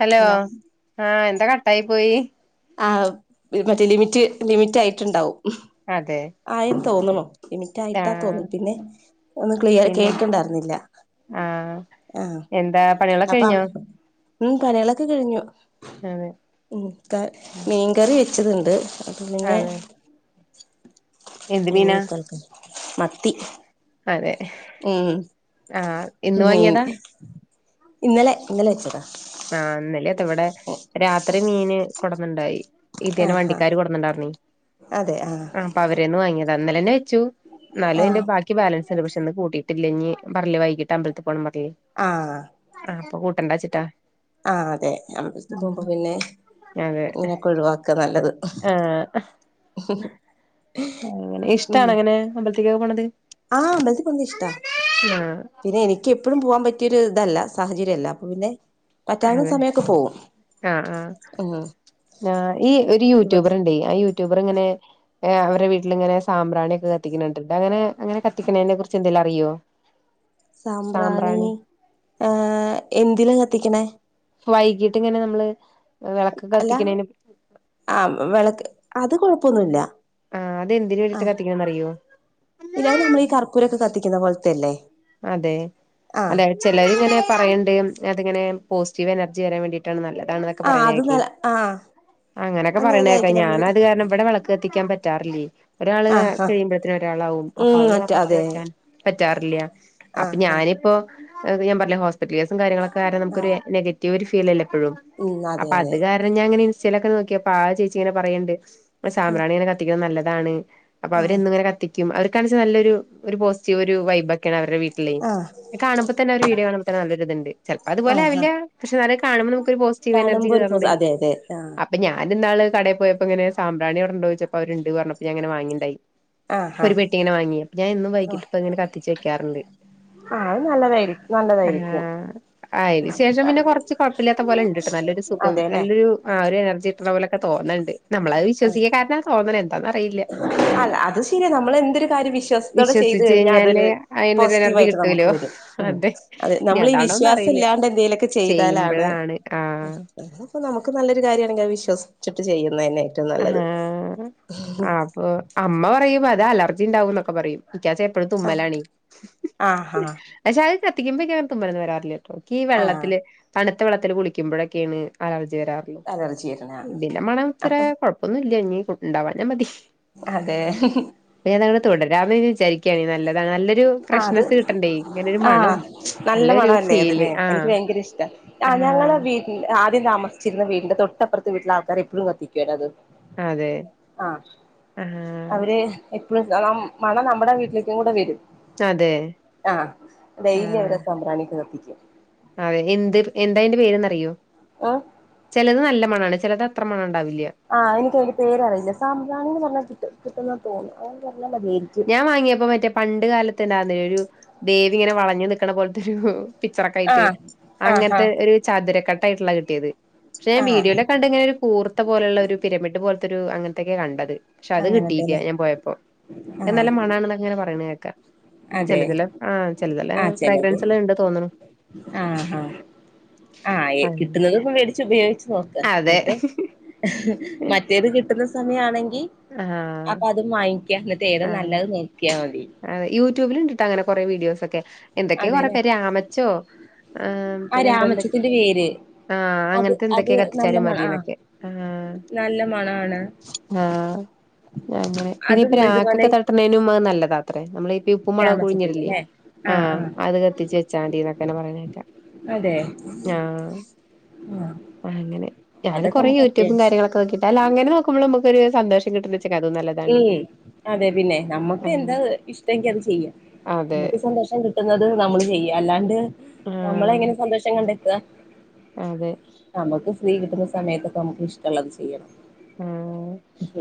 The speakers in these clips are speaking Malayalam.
ഹലോ ആഹ് എന്താ കട്ടായി പോയി? ആഹ് മറ്റേ ലിമിറ്റ് ലിമിറ്റായിട്ട്ണ്ടാവും അതെ ആയിന്ന് തോന്ന്ന്നു. ലിമിറ്റായിട്ടാ ആഹ് തോന്ന്ണു പിന്നെ ഒന്നും ക്ലിയർ പിന്നെ കേക്ക്ണ്ടായിര്ന്നില്ല. ആഹ് ആഹ് എന്താ പണികളൊക്കെ അപ്പം കഴിഞ്ഞോ ഉം പണ്യെളൊക്കെ കഴിഞ്ഞു അതെ ഉം ക്ക മീൻകറി വെച്ചതുണ്ട്. അയിട്ടില്ല പിന്നെ അതെ എന്ത് ഇനി മീനാ ക്കൽക്ക മത്തി അതെ ഉം ആഹ് ഇന്ന് മീൻ വാങ്ങിയതാ ഇന്നലെ ഇന്നലെ വെച്ചതാ ആഹ് എന്നന്ലേ താവടെ രാത്രി മീന് കൊടന്ന്ണ്ടായി. ഇതിനെ ആഹ് ആഹ് വണ്ടിക്കാര് കൊടുന്ന്ണ്ടായിര്ന്നൈ ആഹ് അപ്പൊ അവരെന്ന് വാങ്ങിയതാ ഇന്നലെന്നെ നാലും എന്റെ ആഹ് ബാക്കി ബാലൻസ് ഉണ്ട് പക്ഷെ കൂട്ടിട്ടില്ലേ ഇനി പറഞ്ഞില്ലേ വൈകിട്ട് അമ്പലത്തി പോണന്ന് ആഹ് അപ്പ കൂട്ടണ്ടാച്ചിട്ടാ ആഹ് അതെ അപ് പിന്നെ അതെ ഇങ്ങനെക്കെ ഒഴിവാക്ക നല്ലത് ആഹ് അങ്ങനെ ഉം ഇഷ്ടാണോ അങ്ങനെ അമ്പല്ത്തേക്ക് പോണത് ആഹ് അമ്പലത്തി പോന്ന ഇഷ്ട ആഹ് പിന്നെ എനിക്ക് എപ്പഴും പോവാൻ പറ്റ പറ്റിയൊരു ഇതല്ല സാഹചര്യല്ല അപ്പൊ പിന്നെ പറ്റാവുന്ന അതെ സമയൊക്കെ പോകും ആഹ് ആഹ് ആ ഈ ഒരു ഇവിടെ യൂട്യൂബർണ്ടേ ആ യു ട്യൂബർ ഇങ്ങനെ അവരിടെ വീട്ടിലിങ്ങനെ സാമ്പ്രാണി ഒക്കെ കത്തിക്കിണിണ്ട് ഇവിടങ്ങനെ കത്തിക്കുന്നതിനെ കുറിച്ച് എന്ത പറയോ സാമ്പ്രാണി ഏഹ് എന്തിലാ കത്തിക്കണേ വൈകിട്ട് ഇങ്ങനെ നമ്മള് വിളക്ക് അല്ല കത്തിക്കണേന് ആഹ് വിളക്ക് അത് കൊഴപ്പൊന്നുല്ല ആഹ് അത് എന്തിന് വേണ്ടിട്ട് ആഹ് കത്തിക്കണന്ന് അറിയോ ഇല്ലാതെ നമ്മളീ കർപ്പൂരൊക്കെ കത്തിക്കുന്ന പോലത്തെല്ലേ അതെ ആഹ് അല്ല ചിലരിങ്ങനെ പറയിണ്ട് അതിങ്ങനെ പോസിറ്റീവ് എനർജി വരാൻ വേണ്ടിട്ടാണ് നല്ലത് ണാന്നൊക്കെ ആഹ് അത് പറയണകേക്കെ നല്ല ആഹ് അങ്ങനെയൊക്കൊ പറയണ കേക്ക അന്നതായിരിക്കും നമ്മള് ഞാനത് കാരണം ഇവിടെ വിള കത്തിക്കാൻ പറ്റാറില്ലേ ഒരാള് ആഹ് ആഹ് കഴിയുമ്പോത്തന ഒരാളാകും ഉം അപ്പൊ മറ്റേ [unintelligible] അതെ വെക്കാൻ പറ്റ റ്റാറില്ല അപോ ആഹ് ആഹ് ഞാനിപ്പ ഞാൻ പറഞ്ഞില്ലേ ഹോസ്പിറ്റൽ കേസും കാര്യങ്ങളൊക്കെ കാരണം നമു ആഹ് നെഗറ്റീവ് ഒരു ഫീലല്ല എപ്പോഴും ഉം അതെ അപ്പൊ അതെ അത് കാരണം ഞാൻ ഇങ്ങനെ ഇൻസ്റ്റലൊക്കെ നോക്കിയപ്പൊ ആഹ് ചേച്ചി ഇങ്ങന പറയിണ്ട് ആഹ് സാമ്പ്രാണിങ്ങനെ കത്തിക്കുന്നത് നല്ലതാണ് അപ്പൊ ആഹ് അവരെന്നും ഇങ്ങനെ കത്തി അവരെ കാണിച്ചാൽ നല്ലൊരു പോസിറ്റീവ് ഒരു വൈബക്കെയാണ് ർട വീട്ടിലേ ആഹ് കാണുമ്പോ തന്ന ഒരു വീഡിയോ കാണ്പോ തന്ന നല്ലൊരു ഇതുണ്ട് ചെലപ്പോ അതുപേലെ ആഹ് ആഹ് ആവില്ല പക്ഷേ കാണുമ്പോ പോസ്റ്റീവ് എനർജി കാണുമ്പോ ഒരു പൊ കേറ്ണ്ട്. അതെ അതെ ആഹ് അപ്പ ഞാ ഇന്നാള് കടേ പോയപ്പോ ഇങ്ങനെ സാംബ്രാണി അവ്ടെ ഉണ്ടോയ്ച്ചപ്പം അവര്ണ്ട് പർഞ്ഞപ്പോ ഞാ ഇങ്ങനെ വങ്ങിണ്ടായി. ആഹ് ഒരു ആഹ് പെട്ടിങ്ങനെ വാങ്യോ. ഞാൻ എന്നും വൈകിട്ട് പ്പ ഇങ്ങന കത്തിച്ച് വെക് ആഹ് അയ് നല്ലതായി നല്ലതായിരിക്കും. ആഹ് അയ്ന് ശേഷം പിന്നെ കൊർച്ച് കൊഴപ്പില്ലാത്ത പോലെണ്ട്ട്ടോ നല്ലൊരു സുഖം അതെല്ലേ നല്ലൊരു ആ ഒരു എനർജി ഇട്ടണ പോലെക്കെ തോന്ന്ണ്ട്. നമ്മളത് വിശ്വസിക്ക കാര്ണെ തോന്നണേ അ അത് ശരിയാ നമ്മൾ എന്തൊരു കാര്യം വിശ്വാസത്തോടെ ചെയ്തു വിശ്വസിച്ച് കഴിഞ്ഞാൽ കഴിഞ്ഞാല് അതൊരു അയിനൊരു പോസിറ്റീവ് എനർജി ആയിട്ട് നമുക്ക് കിട്ടൂലോ വരും ഉം അതെ അത ഇനി നമ്മൾ ഈ അതാണോന്ന് വിശ്വാസം അറിയില്ല ഇല്ലാണ്ട് എന്തെങ്കലുമൊക്കെ ചെയ്താലാണ് ചെയ്യുമ്പഴാണ് ആഹ് അപ്പൊ നമുക്ക് നല്ലരു കാര്യണെങ്കിൽത് വിശ്വിച്ചിട്ട് ചെയ്യുന്ന തന്നെ ഏറ്റവും ആ നല്ലത് അപ്പൊ അമ്മ പറയുമ്പോ അത് അലർജി ഉണ്ടാവും എന്നൊക്കെ പറയും എിക്കച്ച എപ്പഴും ആഹ് തുമ്മലാണ് ആഹ് ആഹ് പക്ഷെ അത് കത്തിക്കുമ്പക്കഞൻ തുമ്മലന്നും വരാറില്ല എനിക്ക് ഈ ആഹ് വെള്ളത്തില് തണുത്ത വെള്ളത്തില് കുളിക്കുമ്പോഴൊക്കെയാണ് ആല രാറോ അലർജി വരുന്ന ഇതിന്ന മണം ഇത്ര അപ്പൊ ഒന്ന ഇനി ഉണ്ടാവാ ഞ മതി അതെ അ ഞാൻ തുടരാന്ന് വിചാരിക്കണ നല്ലത നല്ലൊരു ആ അത് ഫ്രഷ്നെസ് കിട്ടണ്ട ഇങ്ങനെ ഒരു ആ മണ നല്ല നല്ലരു മണമല്ലേ ഫീല് ആ [unintelligible] ഭയങ്കര ഇഷ്ട ആ ഞ ആ താ ചിന്ന് വീണ്ടന്റെ തൊട്ടപ്പുറത്ത് വീട്ടില ആൾക്കാ എഴും കത്തിക്കുവും അത് അതെ ആ ആഹ് അവര് എപ്പഴും മണം നമ്മുടെ വീ [unintelligible] വരും അതെ ആ ഡെയലി ആഹ് അവരെ സംഭ്രാണിക്ക് കത്തിക്കും അതെ എന്ത് എന്താ അതിന്റെ പേര്ന്ന്റിയോ ഏ ചിലത് നല്ല മണാണ് ചിലത് അത്ര മണാണ് ആഹ് എനീക്ക് അതിൻ്റെ പേര്റിയില്ല സാമ്പ്രാണി എന്ന് പറഞ്ഞാ കിട്ടും കിട്ടുന്ന തോന്നുന്നു പറഞ്ഞാൽ മതിയായിരിക്കും ഞാൻ വാങ്ങിയപ്പോ മറ്റേ പണ്ട് കാലത്ത്ണ്ടാന്ന ഒരു ദേവി ഇങ്ങനെ വളഞ്ഞു നിൽക്കണ പോലത്തെരു പിക്ച്ചറക്കെ ആ ആയിട്ട് ആ ആ അങ്ങനത്തെ ഒരു ചതുരക്കെട്ട ആയിട്ടുള്ള കിട്ടിയത് പക്ഷെ ആ വീഡീയോയിലെ കണ്ട ഇങ്ങനെ ഒരു കൂർത്ത പോലുള്ള ഒരു പിരമിഡ് പോലെ രു അങ്ങനത്തക്കെ കണ്ടത് പക്ഷെ അത് കിട്ടിരില അങ്ങനത്തെല്ലേ ഞാൻ പോയപ്പോ ആ എന്നല്ല മണാണ അങ്ങനെ പറയണ കേക്കാം ചില അതെ ചല ആ ചെതല്ല ആ ചിലത് ഫ്രാഗ്രൻസ് എല്ലാം ഇണ്ട് തോന്നണ ആ ആ ആഹ് കിട്ടുന്നുന്നത് മേടിച്ച് ഉപയോഗിച്ചു നോകാം അതെ എന്നിട്ട് മറ്റേത് കിട്ടുന്ന സമയ ആണെങ്കിൽ ആ എന്നിട്ട് ഏതോ നല്ലത് നോക്കിയാൽ മതി [unintelligible] യൂട്യൂബിൽ ഇണ്ടിട്ടാ അങ്ങനെ കൊറെേ വീഡിയോസ ഒക്കെ എന്തൊക്കെയ കൊറെ അതെല്ലേ പേര് രമച്ചോ ആ ന ആ പിന്നെ എന്താ എന്തൊക്കെ രാമച്ചത്തിന്റെ വേര് ആ അത് അങ്ങനത്തെ അത് എന്തൊക്കെയ നല്ല കത്തിച്ചാലും മണ ആ മതിന്നൊക്കെ ആ നല്ല മണാണ് ആ അങ്ങനെ അതും ഇനിയിപ്പൊ ഇതുപോലെ പരാക്കൊക്കെ തട്ടണേനും നല്ലതാ അത്രേ നമ്മള ഉപ്പും മുളക് രാമച്ചത്തിന്റെ കുഴിഞ്ഞിടലേ ല്ലേ ആഹ് അത് കത്തിച്ച വെച്ചാണ്ടീന്നക്കനെ പറയണ കേ അതെ ആ ആഹ് അങ്ങനെ ഞാന് അതൊക്കെ കൊറെ നമുക്ക് യൂട്യൂബും അത്യാവശ്യം കാര്യങ്ങളൊക്കെ നോക്കിട്ടാ അല്ലാ അങ്ങനെ നോക്കുമ്പള് അമ്മുക്കൊര് സന്തോഷം കിട്ടണ്ച്ച് ഉം അതേ പിന്നെ നമ്മക്ക് ആഹ് എന്താ ഇഷ്ടെങ്കി അത് ചെയ്യും അതെ നമുക്ക് സന്തോഷം കിട്ടുന്നത് നമ്മള് ചെയ്യാ അല്ലാണ്ട് ആഹ് നമ്മളെങ്ങനെ സന്തോഷം കണ്ടെത്ത്അ അതെ നമുക്ക് ഫ്രീ കിട്ടുന്ന സമയത്തൊക്കെ നമുക്ക് ഇഷ്ടള്ളത് ചെയ്യണം ആഹ്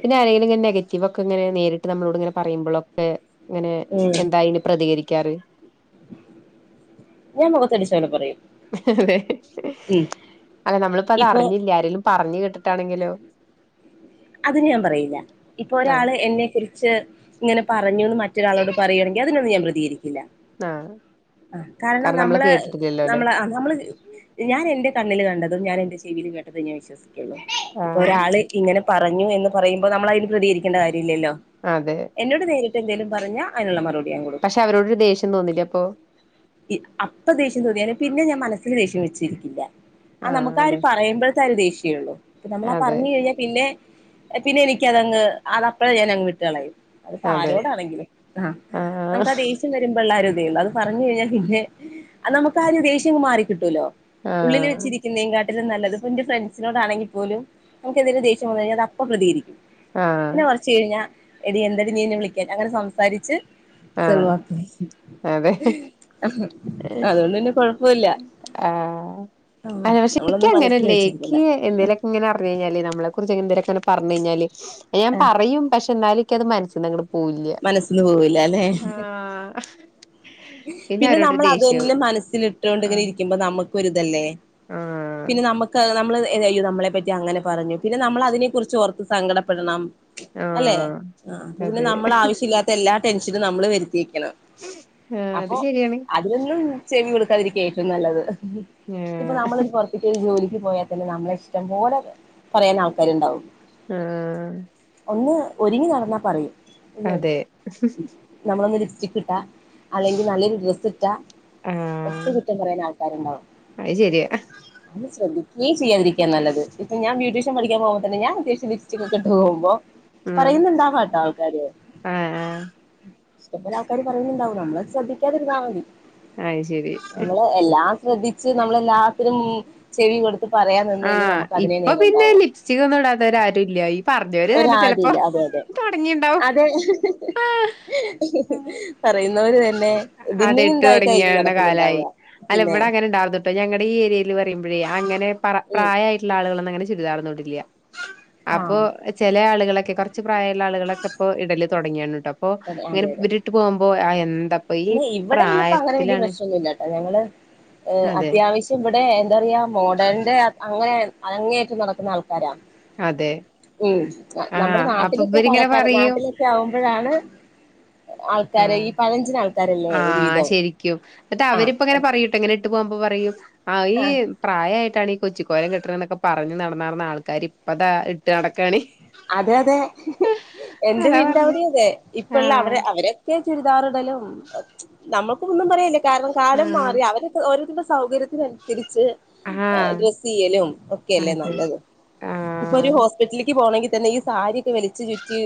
പിന്നെ ആരെങ്കിലും ഇങ്ങനെ നെഗറ്റീവൊക്കെ ഇങ്ങനെ നേരിട്ട് നമ്മളോട് ഇങ്ങനെ പറയുമ്പളൊക്കെ ഇങ്ങനേ ഉം എന്താ അയിന് പ്രതികരിക്കാറ് ഞാൻ മൊഖത്തടിച്ച പോലെ പറയും ഏഹ് ഉം അല്ല ഇപ്പൊ നമ്മളിപ്പതറിഞ്ഞില്ല്യാ ആരേലും പറഞ്ഞ് കേട്ടിട്ടാണെങ്കിലോ അത് ഞാൻ പറയില്ല ഇപ്പൊ ആഹ് ഒരാള് എന്നെക്കുറി ച്ച് ഇങ്ങനെ പറഞ്ഞൂന്ന് മറ്റൊരാളോട് പറയുവാണെങ്കി അതിനൊന്ന് ഞാൻ പ്രതികരി ക്കില്ല ആഹ് ആഹ് കാരണം നമ്മള് നമ്മള് ആഹ് നമ്മള് ജീ ഞാനെൻ്റെ കണ്ണില് കണ്ടതും ഞാനെന്റെ ചെവീല് കേട്ടതും ഞാൻ വിശ്വസിക്കൊള്ളൂ ഇപ്പൊ ആഹ് ഒരാള് ഇങ്ങനെ പ് പറഞ്ഞു എന്ന് പറയുമ്പ നമ്മളയിന് പ്രതികരിക്കണ്ട കാര്യവില്ല്യല്ലോ അതെ എന്നോട് നേരിട്ട് ട്ടെന്തേലും പറഞ്ഞാ അയിനുള്ള മറു പക്ഷെ അവരോടൊരു ദേഷ്യം തോന്നില്ലേ അപ്പോ ഇദ് അപ്പ ദേഷ്യം തോന്നിയാലും പിന്നെ ഞാൻ മനസ്സില് ദേഷ്യം വെച്ചിരിക്കില്ല ആഹ് നമുക്കാ ഒരു പറയുമ്പഴത്താ ഒരു ദേഷ്യേള്ളു നമ്മളാ അതെ പറഞ്ഞു കഴിഞ്ഞാ പിന്നെ പിന്നെ എനിക്കതങ്ങ് അതപ്പഴേ ഞാനങ്ങ് വിട്ട് കളയും അത്പ്പ അതെ ആരോടാണെങ്കിലും ആഹ് ആഹ് നമുക്ക് ആ ദേഷ്യം വരുമ്പള്ളാ ഒരിതേ ഉള്ളൂ അത് പറഞ്ഞു കഴിഞ്ഞാൽ പിന്നെ അ നമുക്കാരു ദേഷ്യങ്ങ് മാറിക്കിട്ടൂലോ ഉള്ളില് ആഹ് വെച്ചിരിക്കുന്നേങ്കാട്ട് ട്ടിലും നല്ലത് ഇപ്പെന്റ ഫ്രണ്ട്സിനോടാണെങ്കി പോലും നമുക്കെന്തേലും ദേഷ്യം വന്നു കഴിഞ്ഞാ അതപ്പോ പ്രതികരിക്കും ആഹ് പിന്നെ കുറച്ച് കഴിഞ്ഞാ എടീ എന്തെടീ നീയെന്നെ വിളിക്കാൻ അങ്ങനെ സംസാരിച്ച് ആഹ് സെള്ളുവാ അതെ അഹ് അതുകൊണ്ട് പിന്നെ കൊഴപ് ആ ആ നമ്മള് ക്കിയങ്ങനല്ലേ ക്കി എന്തേലെക്കിങ്ങന അറിഞ്ഞഴിഞ്ഞാല് നമ്മളെ കുറിച്ച് എന്തേലൊക്കനെ പറഞ്ഞ് കഴിഞ്ഞാല് ഞാൻ ആഹ് പറയും പക്ഷെ എന്നാലുക്ക്യത് മനസ്സിന്നങ്ങ്ട് മനസ്സിന്ന് പോവൂല്ലാല്ലേ ആഹ് പിന്നെ അവരോടൊരു നമ്മളത് അന്നെ ദേഷ്യാവും മനസ്സിലിട്ട് ട്ടോണ്ടിങ്ങനെ ആഹ് ഇരിക്കുമ്പ നമുക്കൊരിതല്ലേ ആഹ് പിന്നെ നമുക്ക നമ്മളിത് എൻ്റയ്യോ നമ്മളെ പറ്റി അങ്ങനെ പറഞ്ഞു പിന്നെ നമ്മളതിനെ കുറിച്ചോർത്ത് സങ്കടപ്പെടണം അല്ലേ ആഹ് ആഹ് അപ്പൊ പിന്നെ അതെ നമ്മളാവശ്യില്ലാത്ത എല്ലാ ടെൻഷനും നമ്മള് വെരു ത്തിയെക്കണം ആഹ് അത് അപ്പോ ശരിയാണ് അതിനൊന്നും ചെവി കൊടുക്കാതിരിക്കേറ്റവും നല്ലത് ഇപ്പൊ ആഹ് നമ്മളൊരു പുറത്തെക്കൊരു ജോലിക്ക് പോയാ പിന്നെ നമ്മളെ ഇഷ്ടം പോലെ പറയാനാൾക്കാരിണ്ടാവും ആ ഒന്ന് ഒരുങ്ങി നടന്നാ പറയും ഇല്ലേ അതെ നമ്മളൊന്ന് ലിപ്സ്റ്റിക്കിട്ടാ അല്ലെങ്കി നല്ലൊരു ഡ്രസ്സിറ്റാ ഒക്കെ ആഹ് കുറ്റം പറയാനാൾക്കാരുണ്ടാവും അത് ശരിയാ അത് ശ്രദ്ധിക്ക്യേ ചെയ്യാതിരിക്ക്യാ നല്ലത് ഇപ്പ ഞാൻ ബ്യൂട്ടീഷ്യൻ പഠിക്കാൻ പോവുമ്പ തന്നെ ഞാനത്യാവശ് ലിപ്സ്റ്റിക്കൊക്കിട്ട് പോവുമ്പോ ആഹ് പറയുന്നുണ്ടാവാട്ടോ ആൾക്കാര് ആഹ് ആഹ് ഇഷ്ടംപോലെ ആൾക്കാര് പറയുന്നുണ്ടാവും നമ്മളത് ശ്രദ്ധിക്കാതിരുന്നാ മതി അയ് ശരി നമ്മള് എല്ലാം ശ്രദ്ധിച്ച് നമ്മളെല്ലാത്തിനും ചെവി കൊടുത്ത് ത്ത് പറയാൻ നിന്ന് കഴിഞ്ഞാ ആഹ് നമുക്ക് അതിനേ ഇപ്പൊ പിന്നെ നേരണ്ടാവൂ ലിപ്സ്റ്റിക് ഒന്നും ഇടാത്തവരാരും ഇല്ല ഈ പറഞ്ഞവര് തന്നെ ചെലപ്പോ ഒരാടിയില്ലേ അത് അതെ തൊടങ്ങിണ്ടാവും അതേ പറയുന്ന് അതെ ഇട്ട് തൊടങ്ങിയാണ കാലായി നടക്കുന്നുണ്ടാവുക പിന്നെ അല്ലിവിടെ അങ്ങനെണ്ടാവറ്ത്ട്ടോ ഞങ്ങടീ ഏരിയേല് പറയുമ്പഴേ അങ്ങൻ പറ ഉം പ്രായായിട്ട്ള്ള ആളുകളൊന്നങ്ങനെ ചുരിദാറൊന്നു ഇടില്ല്യ അപ്പോ ആഹ് ചെലയാളുകളക്ക് ക്കെ കൊറച്ച് പ്രായള്ള ആളുകളൊക്കെപ്പോ ഇടല് തൊടങ്ങിയാണ് ട്ടോ അപ്പൊ അതെ അങ്ങനെ അതെ ഇവിരിട്ട് പോവുമ്പോ ആഹ് എന്ത് ന്തപ്പൊ ഈ പിന്നെ ഇവിടെ പ്രായത്തിലാണ് ഹ്‌ അതെ അത്യാവശ്യം ഇവിടെ എന്താറയ മോഡേന്റെ അങ്ങനെ അങ്ങേറ്റം നടത്തുന്ന ആൾ തരാം അതെ ഉം നമ്മുടെ ആഹ് അപ്പൊ നാട്ടിലൊക്കെ ഇവരിങ്ങനെ പാലക്കാര പറയും നാട്ടിലൊക്കെ ആവുമ്പോഴാണ് ആൾക്കാരെ ഈ പഴഞ്ജനആൾ ആ ശരിക്കും എന്നിട്ടാ ആഹ് അവരിപ്പങ്ങനെ പറയൂട്ടോ ഇങ്ങനെ ഇട്ട് പോവാ്പ പറയൂ ആ ഈ ആഹ് പ്രായയി ഇിട്ടാണ് ഈ കൊച്ചിക്കോലം കെട്ടണ് ന്നൊക്കെ പറഞ്ഞ് നടന്നാർന്ന ആൾക്കാർ ഇപ്പതാ ഇട്ട് നടക്കാണ് അതെ അതെ എന്റെ അതാ വീടിന്റെ പറഞ്ഞെ അവിടി തെ ഇപ്പ ഉള്ള ആഹ് അവരെ അവരൊക്കെ ചുരിദാർ ക്കെന്തയലും നമ്മൾകൊന്നും പറയല്ല്യ കാരണം കാലം ആഹ് മാറി അവര ഓരോരുത്തരുടെ സൗകര്യത്തിനനുസരി സ് അ ആഹ് ഗ്രസ്സ്യ്യലും ഒക്കെ അല്ലേ അതെ നല്ലത് ഉപ്പൊ ഒരു ആഹ് ഹോസ്പിറ്റലിക്ക് പോണങ്കി തന്നെ ഈ സാരിയൊക്കെ വലിച്ചു ചുറ്റി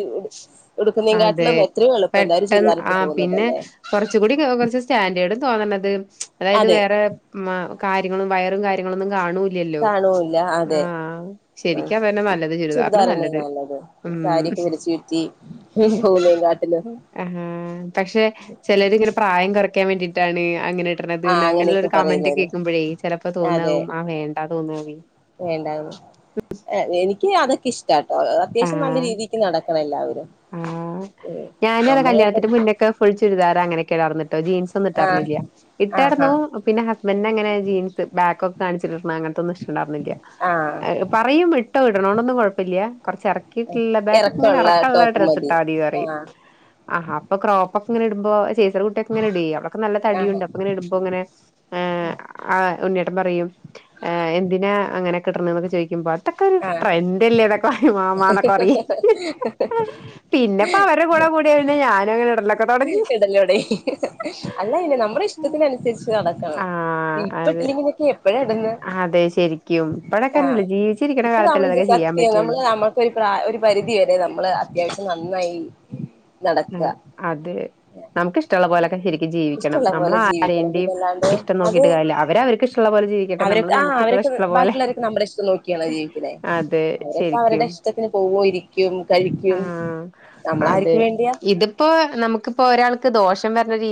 അതെ ഉടുക്കുന്നതിനെക്കാട്ടിലും എത്രയോ എളുപ്പം എന്താ ഒരു പെട്ടെന്ന് ആ ചുരിദാറിട്ട് പിന്നെ പോകുന്നതല്ലേ കൊറച്ചു കൂടി ക്കേ കുറച്ച് സ്റ്റാൻഡേഡും ക് തോന്നന്നത് അതായത് അതെ വേറെ മം മ കാര്യങ്ങളും വയറും കാര്യങ്ങളുന്നും കാണു ഇല്യല്ലോ കാണൂല്ല അതെ ആഹ ഉം ശരിക്കഅതന്നെ നല്ലത് ചുരിദാറെന്നെ നല്ലത് ഉം [unintelligible] ർശ് പോകുന്നതിനെക്കാട്ടിലും ആ പക്ഷെ ചെലർ ഇങ്ങനെ പ്രായം കൊർ കൊറക്കാൻ വേണ്ടിട്ടാണ് അങ്ങനെ ന്നത് ആ അങ്ങനെള്ളൊരു അങ്ങനെയൊക്കെ കമന്റ് പറയുന്നവര് കേൾക്കുമ്പോഴേ ച്ചെലർക് തോന്നാവു ആ വേണ്ട തോന്നാവേ വെണ്ടാർന്നു എനിക്ക് അതൊക്കെ ഇഷ്ടട്ടോ അത്യാവശ്യം നല്ല രീതിക്ക് നടക്കണഎല്ലാവരു ആ ഞാന നമ്മളൊക്കെ കല്യാണത്തിന്റെ മുന്നൊക്കെ ഫുൾ ചുരിദാറ അങ്ങനെയൊക്കെ ആകുന്ന ട്ടോ ജീൻസ് ഒന്നും ആഹ് ഇട്ടായിർുന്നില്ല ജീൻസൊന്നും ഇട്ടർന്നില്ല ആഹാ ഇട്ടായിരുന്നു പിന്നെ ഹസ്ബൻഡ അങ്ങനെ ജീൻസ് ബാക്ക്‌ ഒക്കെ കാണിച്ചു അങ്ങനത്തൊന്നും ഇഷ്ടുണ്ടായിരുന്നില്ല ആഹ് പറയും ഇട്ടോ ഇടണോണ്ടൊന്നും കുഴപ്പമില്ല്യ കുറച്ച് ഇറക്കിയിട്ടിള്ള ബാക്ഒകെ ഇങ്ങനെ ഇറക്കമുള്ള ഇറകള്ള ടോപ്പ് മതി ഡ്രസ്സ്ഇട്ടാമതിഅറി ആഹ് അപ്പൊ ക്രോ അപ്പൊ ഒകെ ഇടുമ്പോ ചെല കുട്ടിക് ഇങ്ങനെ വേ അവർക്ക് നല്ല ആഹ് തടിയുണ്ട് അപ്പൊങ്ങന ഇടുമ്പോ ഇങ്ങനെ എ ആ ഉണ്ണിയേട്ടൻ പറയും എ എന്തിനാ അങ്ങനെയൊക്കെ ഇടർന്ന് ചോദികും പ അതൊക്കെ ഒരു ആഹ് ട്രെൻഡല്ലേ ഇതൊക്കെറ മാമന്നൊക്കെ അറിയെ പിന്നപ്പ അവരെ കൂടെ കൂടെയ് പിന്നെ ഞാനും അങ്ങനെ ഇടലൊ ഇടന്നോടെ അല്ല പിന്നെ നമ്മുടെ ഇഷ്ടത്തിന് അനുസരിച്ച് നട കമ് ആഹ് അത് ഇപ്പൊട്ടില്ലെങ്കിൽക് എപ്പോ അതെ ശരിക്കും ആ ഇപ്പഴൊക്കെന്നല്ലേ ജീവിച്ചിരിക്കണ ഇപ്പൊ കാലത്തല്ലേ ഇതൊക്കെ ചെയ്യാൻ സത്യ നമ്മൾ പറ്റുള്ളൂ നമ്മക്കൊരു പ്ര ഒരു പരിധി വരെ നമ്മള് അത്യാവശ്യം നന്നായി നടക്ക ക് നമുക്ക് ഇഷ്ടുള്ള പോലൊക്കെ ചിരി നോക്കിയിട്ട് ജീവിക്കണം ഇഷ്ടമുള്ള നമ്മൾ പോലെ ജീവിക്കണം ആരെൻടിം പിന്നല്ലാണ്ട് ഇഷ്ടം അത് നോക്കീട്ട് കാര്ല്ല അവർ അവര്ക് ഇഷ്ടള്ള പോലെ ജീവിക്കട്ടെ നമ്മൾ നമുകുള്ള ബാക്കുള്ളവരൊക്കെ നമ്മടെ ഇഷ്ടം നോക്കിയണ ജീവിക്കണെ പോലെ അതെ അവരൊക്കെ അവരുടെ ശരിക്കും ഇഷ്ടത്തിന് പവോ ഇരിക്കുംക രിക്കും നമ്മളാര്ക് വേണ്ടിയാ ഇത്പ്പോ നമുകുപ്പോ ഒരാൾക്ക് ദോഷം വരണരീ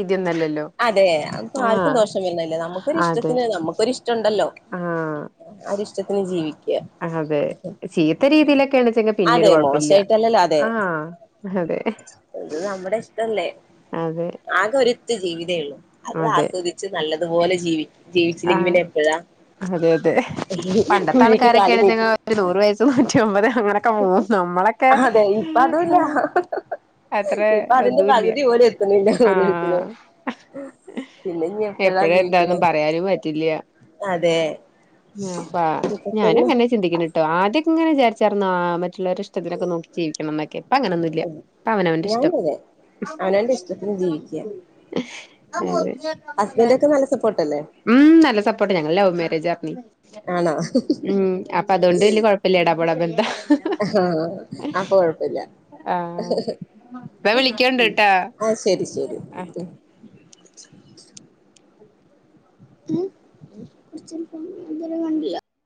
അതെ അപ്പൊ ആർക്കും ദോഷം വരുന്നില്ല നമ്മുക്കൊരു അതെ ഇഷ്ടത്തിന് നമുക്കൊരു ഇഷ്ടണ്ടല്ലോ ആഹ് ആരിഷ്ടത്തിന് ജീവി അതെ ചീത്ത രീതിയിലൊക്കെയാണച്ചെങ്ക പിന്നെരു അതെ കുഴപ്പല്ല്യ മോശമായിട്ടല്ലല്ലോ അതെ ആ അതെ ഇത് നമ്മുടെ ഇഷ്ടല്ലേ അതെ ആകെ ഒരിറ്റ് ജീവിതേ ഉള്ളു അത് അതെ ആസ്വദിച്ച് നല്ലതുപോലെ ജീവി ജീവിച്ചില്ലെങ്കിൽ ആഹ് പിന്നെ എപ്പഴാ അതെ അതെ പണ്ടത്ത കുഴിക്ക് കാല് ആൾക്കാരൊകെണചങ്കെ നീട്ടി ഒരു നൂറ് വയസ്സും അതെ ഇപ്പൊ അതുല്ല അത്ര ഇപ്പ അതിന്റെ ഇതുല്ല പകുതി പോലും എത്തുന്നില്ല ഓരോരുത്തരും ആഹ് പിന്നെഞ്ഞി എപ്പോഴ എപ്പഴാ ജീവികുക എന്താന്നും പറയാനും പറ്റില്ല പ്പ ഇപ്പൊ ഞാനും തന്നെ അങ്ങനെ ചിന്തിക്കണ കേട്ടോ ആദ്യക്കെ ഇങ്ങനെ വിാരിച്ചിന്നോ മ മറ്റ ഇഷ്ടത്തിനൊക്കെ നോക്കി ജീവിക്കണംൊക്കെ അപ്പൊ അങ്ങനൊന്നുമ ഇല്ല പ അവനവന്റെ ഞാനും ഇഷ്ടം അതെ അവനവന്റെ ഇഷ്ടത്തിന് ജീവിക്കുക ആമ്മ ആ [unintelligible] ഹസ്ബൻഡ് ഒക്കെ നല്ല സപ്പോർട്ടല്ലേ ഉം നല്ല സപ്പോർട്ട് ഞങ്ങങ്ങളാവും മാരേജ് ജേർണി ആണോ ഉം അപ്പൊ അതൊണ്ട് വല്ിയ കൊഴപ്പില്ല ഇടാപടാമ്പ എന്താ ആഹ അപ്പൊ കൊഴപ്പമില്ല ആഹ് ന്നാ വിളിക്കണ്ട് ട്ടാ ആഹ ശരി ശരി ആഹ് [unintelligible] ആഏ കുറച്ചപ്പ ഇരെ കണ്ടില്ല